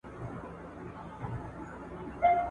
آیا ابن خلدون د شهرت په باره کي بحث کړی؟